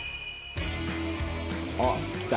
あっ来た。